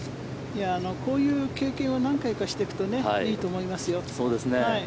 こういう経験を何回かしていくといいと思いますよ。